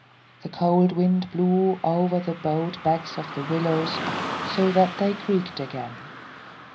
The cold wind blew over the bowed backs of the willows, so that they creaked again.